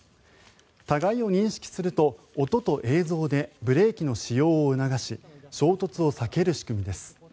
互いを認識すると音と映像でブレーキの使用を促し衝突を避ける仕組みです。